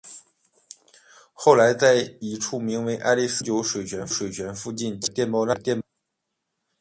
后来在一处名为爱丽斯的永久水泉附近建立了电报站。